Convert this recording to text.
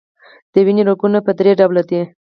د وینې رګونه په دری ډوله دي.